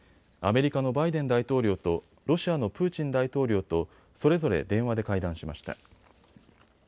アメリカのバイデン大統領とロシアのプーチン大統領とそれぞれ電話で会談しました。